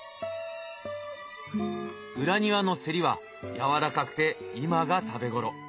裏庭のセリはやわらかくて今が食べ頃。